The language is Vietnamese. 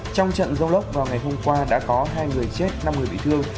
trong trận dô lốc vào ngày hôm qua đã có hai người chết năm người bị thương